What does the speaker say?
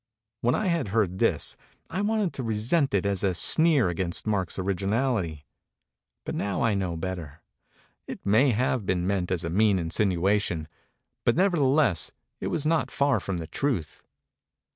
When I had heard this, I wanted to resent it as a sneer against Mark's originality. But now I know better. It may have been meant as a mean in 268 MEMORIES OF MARK TWAIN sinuation; but nevertheless it was not far from the truth.